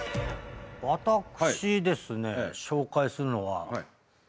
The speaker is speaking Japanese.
私ですね紹介するのはお赤飯。